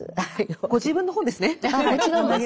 ご自分の本ですね。